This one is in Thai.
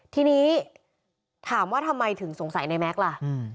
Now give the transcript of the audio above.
ทีนี้ถามว่าทำไมถึงสงสัยในแม็กซ์ล่ะ